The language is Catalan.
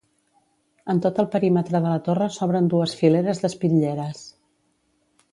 En tot el perímetre de la torre s'obren dues fileres d'espitlleres.